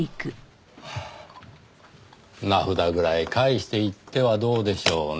名札ぐらい返していってはどうでしょうねぇ。